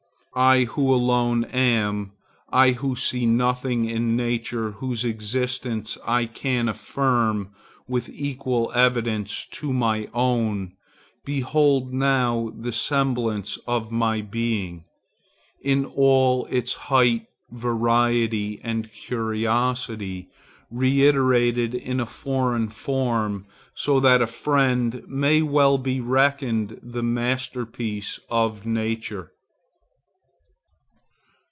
I who alone am, I who see nothing in nature whose existence I can affirm with equal evidence to my own, behold now the semblance of my being, in all its height, variety, and curiosity, reiterated in a foreign form; so that a friend may well be reckoned the masterpiece of nature.